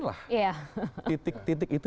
lah titik titik itu